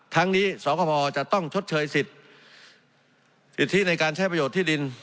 ทั้งนี้สคพจะต้องชดเชยสิทธิสิทธิในการใช้ประโยชน์ที่ดิน